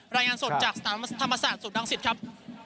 รายงานสดจากธรรมศาสตร์สุดดังสิทธิ์ครับ